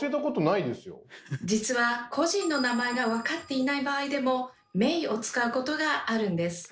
実は個人の名前が分かっていない場合でも「名」を使うことがあるんです。